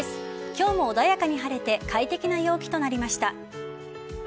今日も穏やかに晴れて快適な陽気となりました。